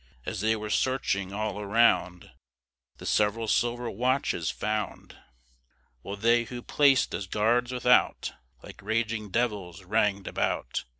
As they were searching all around, They several silver watches found; While they who're plac'd as guards without, Like raging devils rang'd about.